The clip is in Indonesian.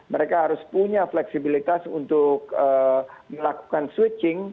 mereka harus punya fleksibilitas untuk melakukan switching